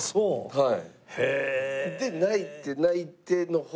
はい。